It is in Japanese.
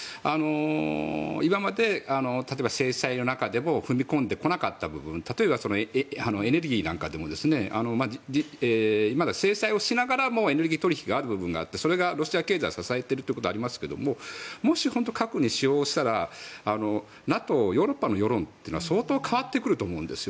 今まで例えば制裁の中でも踏み込んでこなかった部分例えばエネルギーなんかでもまだ制裁をしながらもエネルギー取引がある部分があって、それがロシア経済を支えているということはありますがもし本当に核を使用したらＮＡＴＯ、ヨーロッパの世論は相当変わってくると思います。